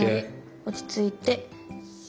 落ち着いて。